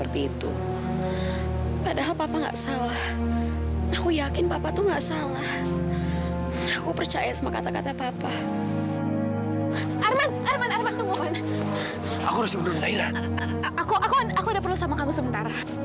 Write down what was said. tuhh udah kerja banget